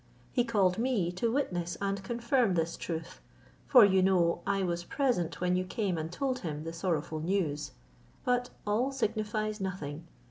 He called me to witness and confirm this truth; for you know I was present when you came and told him the sorrowful news: but all signifies nothing.